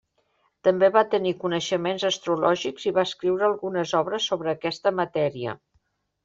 També va tenir coneixements astrològics i va escriure algunes obres sobre aquesta matèria.